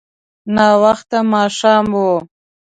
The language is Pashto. ناوخته ماښام و.